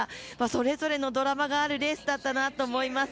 それぞれのドラマがあるレースだったなと思います。